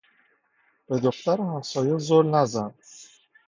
به دختر همسایه زل نزن!